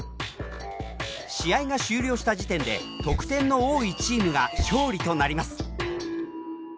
試合が終了した時点で得点の多いチームが勝利となります。